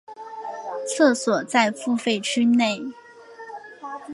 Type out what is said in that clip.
厕所在付费区内。